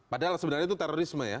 padahal sebenarnya itu terorisme ya